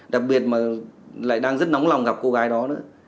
đặc biệt mà lại đang rất nóng lòng gặp cô gái đó nữa